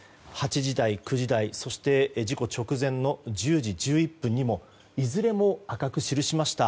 ８時台、９時台そして事故直前の１０時１１分にもいずれも赤く記しました